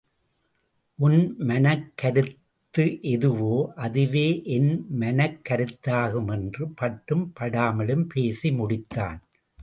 உன் மனக்கருத்து எதுவோ அதுவே என் மனக்கருத்தாகும் என்று பட்டும் படாமலும் பேசி முடித்தான்.